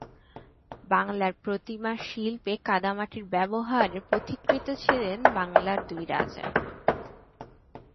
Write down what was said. বাংলার প্রতিমা শিল্পে কাদামাটির ব্যবহারের পথিকৃৎ ছিলেন বাংলার দুই রাজা।